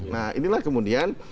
nah inilah kemudian